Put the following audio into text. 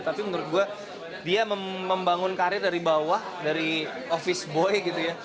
tapi menurut gue dia membangun karir dari bawah dari office boy gitu ya